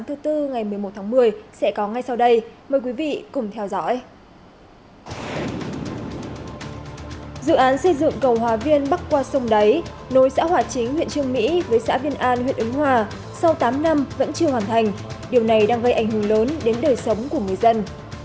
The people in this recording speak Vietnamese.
dự án xây dựng cầu hòa viên bắc qua sông đáy nối xã hòa chính huyện trương mỹ với xã viên an huyện ứng hòa sau tám năm vẫn chưa hoàn thành điều này đang gây ảnh hưởng lớn đến đời sống của người dân